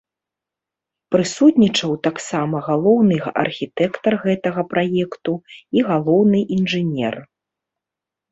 Прысутнічаў таксама галоўны архітэктар гэтага праекту і галоўны інжынер.